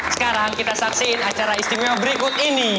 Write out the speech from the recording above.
sekarang kita saksiin acara istimewa berikut ini